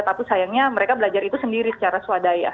tapi sayangnya mereka belajar itu sendiri secara swadaya